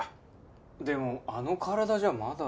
でもあの体じゃまだ。